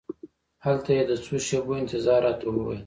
هلته یې د څو شېبو انتظار راته وویل.